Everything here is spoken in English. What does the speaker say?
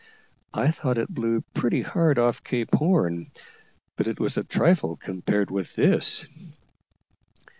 I thought it blew pretty hard off Cape Horn, but it was a trifle compared with this.